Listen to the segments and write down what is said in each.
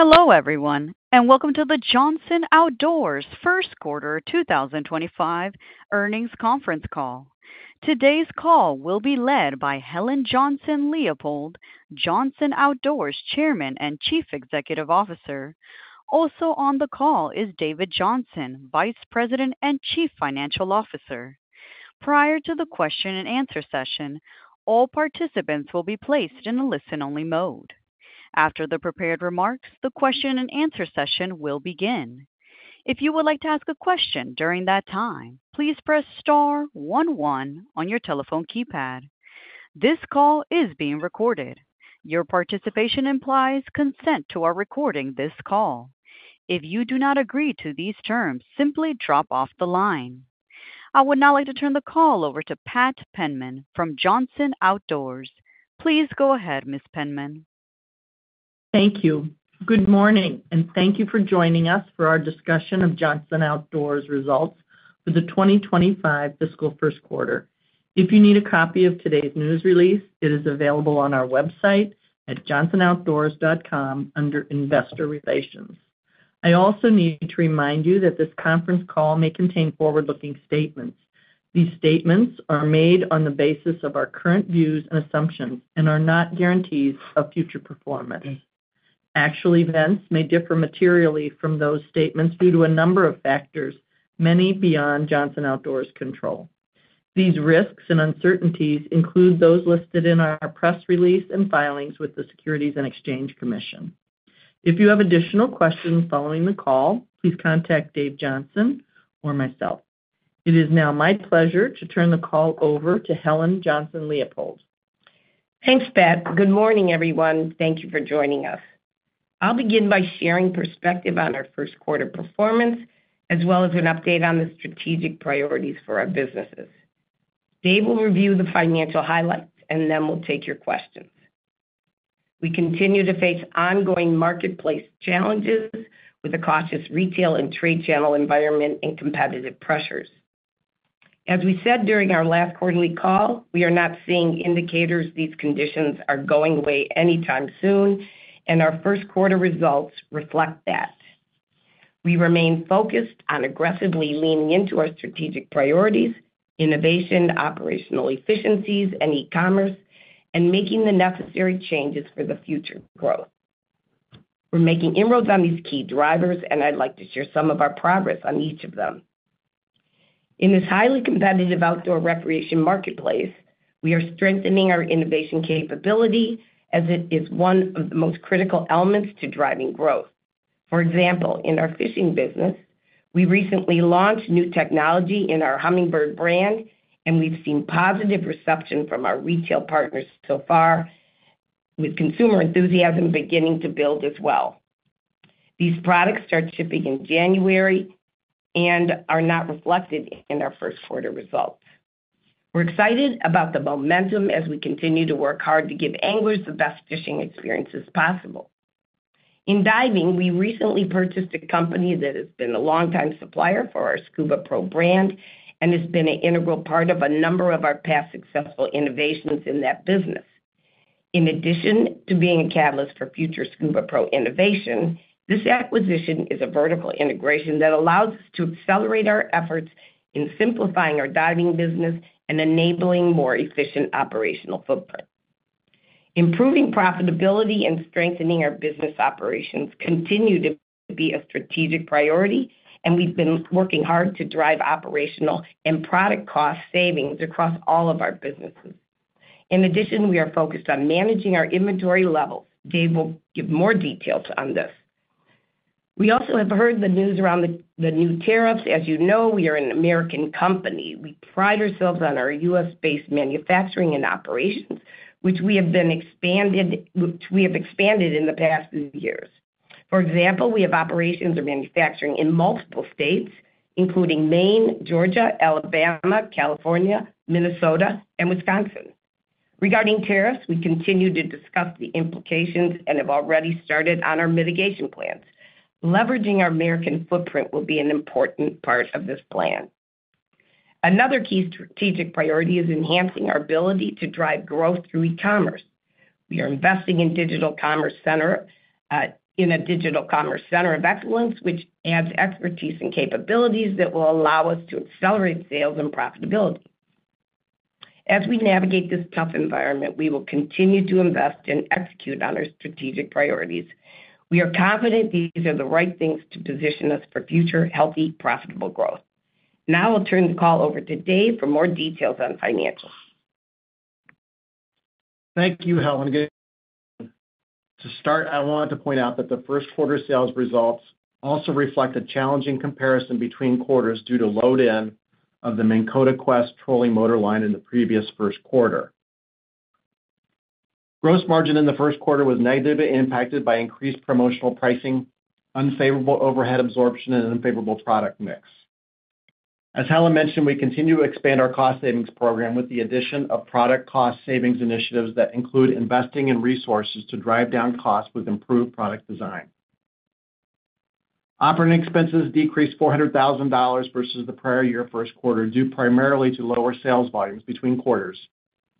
Hello everyone, and welcome to the Johnson Outdoors first quarter 2025 earnings conference call. Today's call will be led by Helen Johnson-Leipold, Johnson Outdoors Chairman and Chief Executive Officer. Also on the call is David Johnson, Vice President and Chief Financial Officer. Prior to the question and answer session, all participants will be placed in a listen-only mode. After the prepared remarks, the question and answer session will begin. If you would like to ask a question during that time, please press star one one on your telephone keypad. This call is being recorded. Your participation implies consent to our recording this call. If you do not agree to these terms, simply drop off the line. I would now like to turn the call over to Pat Penman from Johnson Outdoors. Please go ahead, Ms. Penman. Thank you. Good morning, and thank you for joining us for our discussion of Johnson Outdoors results for the 2025 fiscal first quarter. If you need a copy of today's news release, it is available on our website at JohnsonOutdoors.com under Investor Relations. I also need to remind you that this conference call may contain forward-looking statements. These statements are made on the basis of our current views and assumptions and are not guarantees of future performance. Actual events may differ materially from those statements due to a number of factors, many beyond Johnson Outdoors' control. These risks and uncertainties include those listed in our press release and filings with the Securities and Exchange Commission. If you have additional questions following the call, please contact Dave Johnson or myself. It is now my pleasure to turn the call over to Helen Johnson-Leipold. Thanks, Pat. Good morning, everyone. Thank you for joining us. I'll begin by sharing perspective on our first quarter performance, as well as an update on the strategic priorities for our businesses. Dave will review the financial highlights, and then we'll take your questions. We continue to face ongoing marketplace challenges with a cautious retail and trade channel environment and competitive pressures. As we said during our last quarterly call, we are not seeing indicators these conditions are going away anytime soon, and our first quarter results reflect that. We remain focused on aggressively leaning into our strategic priorities, innovation, operational efficiencies, and e-commerce, and making the necessary changes for the future growth. We're making inroads on these key drivers, and I'd like to share some of our progress on each of them. In this highly competitive outdoor recreation marketplace, we are strengthening our innovation capability as it is one of the most critical elements to driving growth. For example, in our fishing business, we recently launched new technology in our Humminbird brand, and we've seen positive reception from our retail partners so far, with consumer enthusiasm beginning to build as well. These products start shipping in January and are not reflected in our first quarter results. We're excited about the momentum as we continue to work hard to give anglers the best fishing experiences possible. In diving, we recently purchased a company that has been a longtime supplier for our Scubapro brand and has been an integral part of a number of our past successful innovations in that business. In addition to being a catalyst for future Scubapro innovation, this acquisition is a vertical integration that allows us to accelerate our efforts in simplifying our diving business and enabling more efficient operational footprint. Improving profitability and strengthening our business operations continue to be a strategic priority, and we've been working hard to drive operational and product cost savings across all of our businesses. In addition, we are focused on managing our inventory levels. Dave will give more details on this. We also have heard the news around the new tariffs. As you know, we are an American company. We pride ourselves on our U.S.-based manufacturing and operations, which we have been expanded in the past few years. For example, we have operations or manufacturing in multiple states, including Maine, Georgia, Alabama, California, Minnesota, and Wisconsin. Regarding tariffs, we continue to discuss the implications and have already started on our mitigation plans. Leveraging our American footprint will be an important part of this plan. Another key strategic priority is enhancing our ability to drive growth through e-commerce. We are investing in a digital commerce center of excellence, which adds expertise and capabilities that will allow us to accelerate sales and profitability. As we navigate this tough environment, we will continue to invest and execute on our strategic priorities. We are confident these are the right things to position us for future healthy, profitable growth. Now I'll turn the call over to Dave for more details on financials. Thank you, Helen. To start, I want to point out that the first quarter sales results also reflect a challenging comparison between quarters due to load-in of the Minn Kota QUEST trolling motor line in the previous first quarter. Gross margin in the first quarter was negatively impacted by increased promotional pricing, unfavorable overhead absorption, and unfavorable product mix. As Helen mentioned, we continue to expand our cost savings program with the addition of product cost savings initiatives that include investing in resources to drive down costs with improved product design. Operating expenses decreased $400,000 versus the prior year first quarter due primarily to lower sales volumes between quarters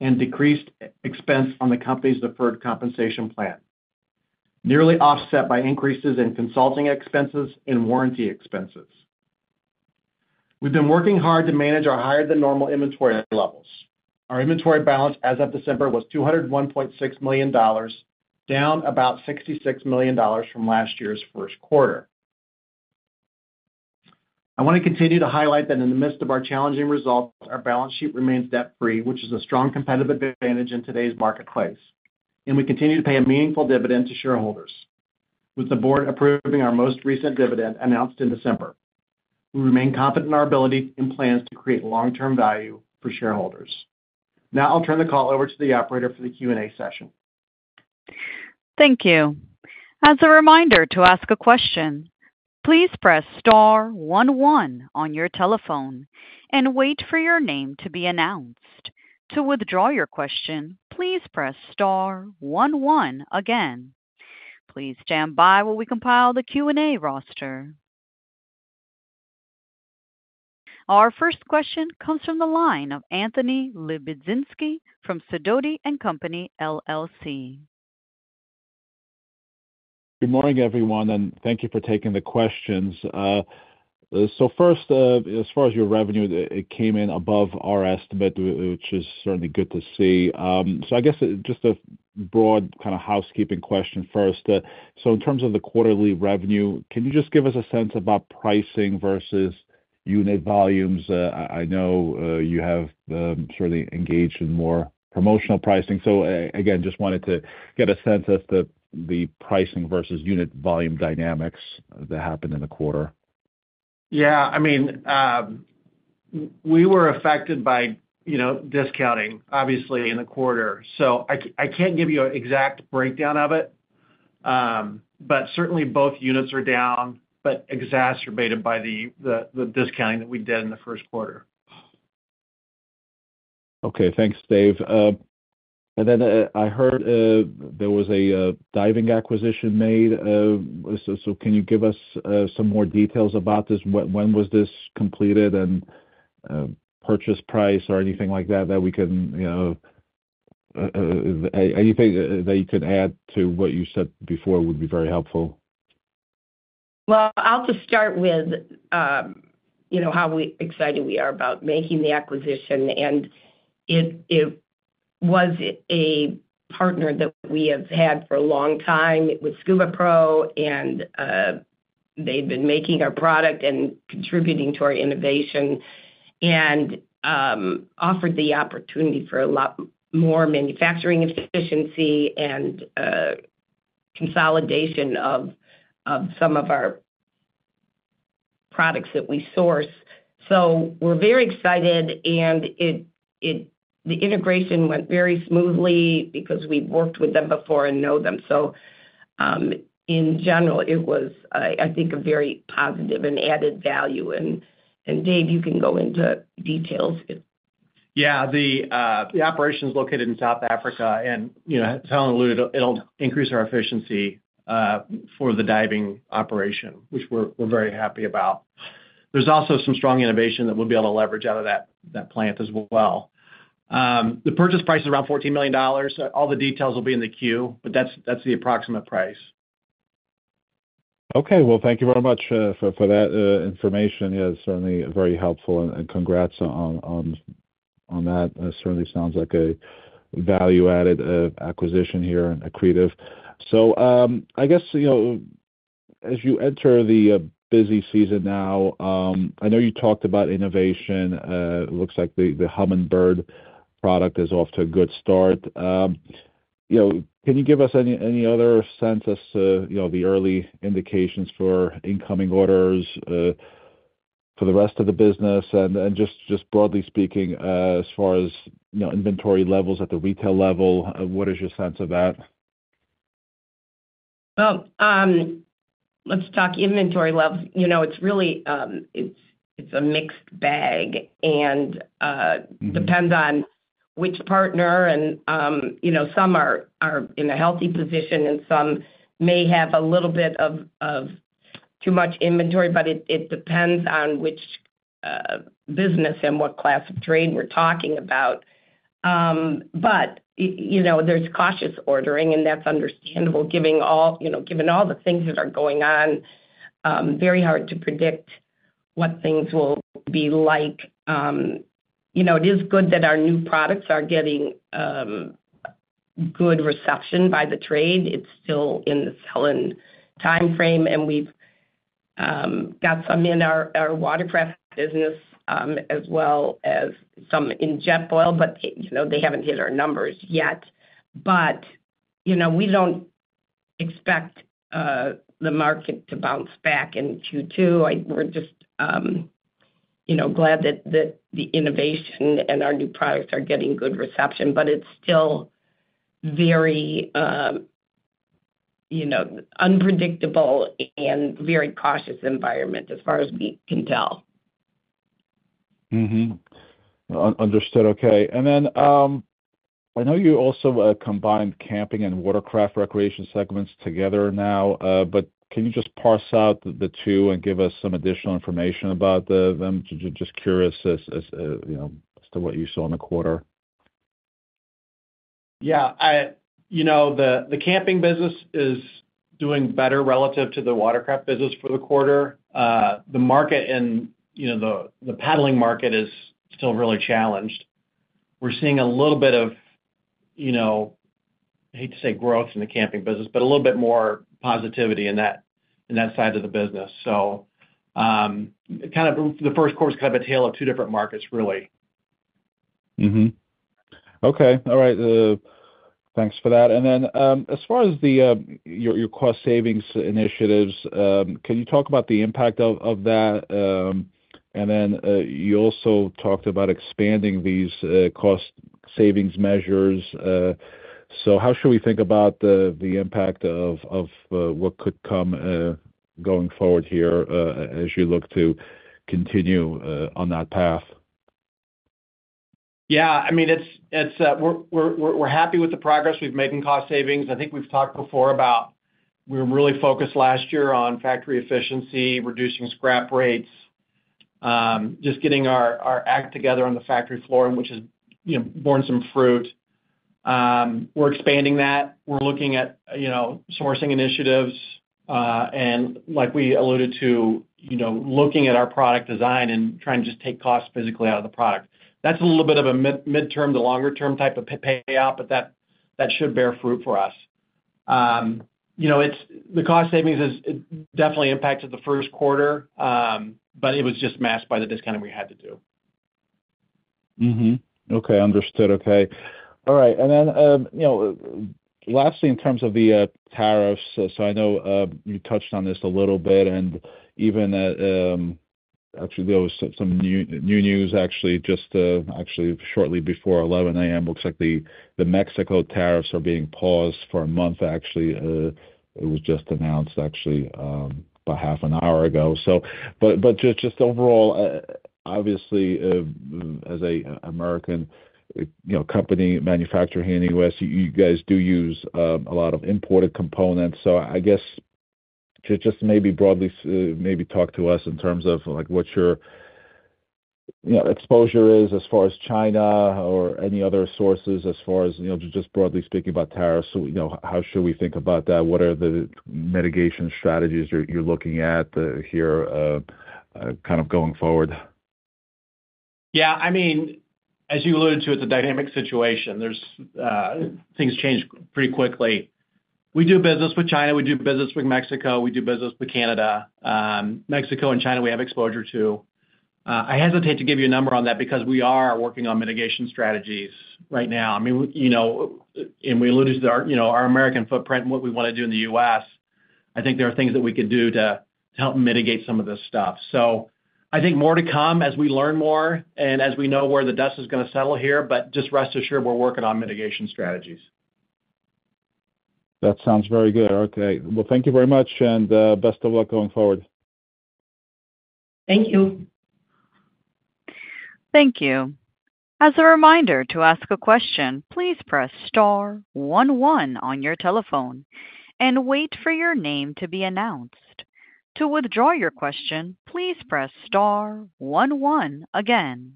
and decreased expense on the company's deferred compensation plan, nearly offset by increases in consulting expenses and warranty expenses. We've been working hard to manage our higher-than-normal inventory levels. Our inventory balance as of December was $201.6 million, down about $66 million from last year's first quarter. I want to continue to highlight that in the midst of our challenging results, our balance sheet remains debt-free, which is a strong competitive advantage in today's marketplace, and we continue to pay a meaningful dividend to shareholders, with the board approving our most recent dividend announced in December. We remain confident in our ability and plans to create long-term value for shareholders. Now I'll turn the call over to the operator for the Q&A session. Thank you. As a reminder to ask a question, please press star one one on your telephone and wait for your name to be announced. To withdraw your question, please press star one one again. Please stand by while we compile the Q&A roster. Our first question comes from the line of Anthony Lebiedzinski from Sidoti & Company, LLC. Good morning, everyone, and thank you for taking the questions. So first, as far as your revenue, it came in above our estimate, which is certainly good to see. So I guess just a broad kind of housekeeping question first. So in terms of the quarterly revenue, can you just give us a sense about pricing versus unit volumes? I know you have certainly engaged in more promotional pricing. So again, just wanted to get a sense as to the pricing versus unit volume dynamics that happened in the quarter. Yeah, I mean, we were affected by discounting, obviously, in the quarter. So I can't give you an exact breakdown of it, but certainly both units are down, but exacerbated by the discounting that we did in the first quarter. Okay, thanks, Dave. Then I heard there was a diving acquisition made. So can you give us some more details about this? When was this completed and purchase price or anything like that that we can, anything that you could add to what you said before would be very helpful? Well I'll just start with how excited we are about making the acquisition. It was a partner that we have had for a long time with Scubapro, and they've been making our product and contributing to our innovation and offered the opportunity for a lot more manufacturing efficiency and consolidation of some of our products that we source. We're very excited, and the integration went very smoothly because we've worked with them before and know them. In general, it was, I think, a very positive and added value. Dave, you can go into details. Yeah, the operation is located in South Africa, and as Helen alluded, it'll increase our efficiency for the diving operation, which we're very happy about. There's also some strong innovation that we'll be able to leverage out of that plant as well. The purchase price is around $14 million. All the details will be in the [8-K], but that's the approximate price. Okay, well, thank you very much for that information. Yeah, certainly very helpful, and congrats on that. Certainly sounds like a value-added acquisition here and accretive. So I guess as you enter the busy season now, I know you talked about innovation. It looks like the Humminbird product is off to a good start. Can you give us any other sense as to the early indications for incoming orders for the rest of the business? Just broadly speaking, as far as inventory levels at the retail level, what is your sense of that? Let's talk inventory levels. It's a mixed bag and depends on which partner and some are in a healthy position, and some may have a little bit of too much inventory, but it depends on which business and what class of trade we're talking about but there's cautious ordering, and that's understandable, given all the things that are going on. Very hard to predict what things will be like. It is good that our new products are getting good reception by the trade. It's still in the selling timeframe, and we've got some in our watercraft business as well as some in Jetboil, but they haven't hit our numbers yet but we don't expect the market to bounce back in Q2. We're just glad that the innovation and our new products are getting good reception, but it's still very unpredictable and very cautious environment as far as we can tell. Understood. Okay. Then I know you also combined camping and watercraft recreation segments together now, but can you just parse out the two and give us some additional information about them? Just curious as to what you saw in the quarter. Yeah, the camping business is doing better relative to the watercraft business for the quarter. The market and the paddling market is still really challenged. We're seeing a little bit of, I hate to say, growth in the camping business, but a little bit more positivity in that side of the business. So kind of the first quarter is kind of a tale of two different markets, really. Okay. All right. Thanks for that. Then as far as your cost savings initiatives, can you talk about the impact of that? Then you also talked about expanding these cost savings measures. So how should we think about the impact of what could come going forward here as you look to continue on that path? Yeah, I mean, we're happy with the progress we've made in cost savings. I think we've talked before about we were really focused last year on factory efficiency, reducing scrap rates, just getting our act together on the factory floor, which has borne some fruit. We're expanding that. We're looking at sourcing initiatives. Like we alluded to, looking at our product design and trying to just take costs physically out of the product. That's a little bit of a mid-term to longer-term type of payout, but that should bear fruit for us. The cost savings has definitely impacted the first quarter, but it was just masked by the discounting we had to do. Okay. Understood. Okay. All right, and then lastly, in terms of the tariffs, so I know you touched on this a little bit, and even actually there was some new news actually just actually shortly before 11:00 A.M. Looks like the Mexico tariffs are being paused for a month, actually. It was just announced actually about half an hour ago, but just overall, obviously, as an American company manufacturing here in the U.S., you guys do use a lot of imported components. So I guess just maybe broadly maybe talk to us in terms of like what your exposure is as far as China or any other sources as far as just broadly speaking about tariffs, so how should we think about that? What are the mitigation strategies you're looking at here kind of going forward? Yeah, I mean, as you alluded to, it's a dynamic situation. Things change pretty quickly. We do business with China. We do business with Mexico. We do business with Canada. Mexico and China, we have exposure to. I hesitate to give you a number on that because we are working on mitigation strategies right now. I mean, and we alluded to our American footprint and what we want to do in the U.S. I think there are things that we could do to help mitigate some of this stuff. So I think more to come as we learn more and as we know where the dust is going to settle here, but just rest assured we're working on mitigation strategies. That sounds very good. Okay. Well, thank you very much, and best of luck going forward. Thank you. Thank you. As a reminder to ask a question, please press star one one on your telephone and wait for your name to be announced. To withdraw your question, please press star one one again.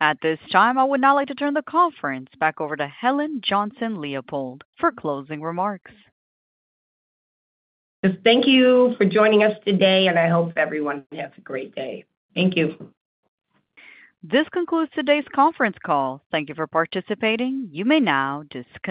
At this time, I would now like to turn the conference back over to Helen Johnson-Leipold for closing remarks. Thank you for joining us today, and I hope everyone has a great day. Thank you. This concludes today's conference call. Thank you for participating. You may now disconnect.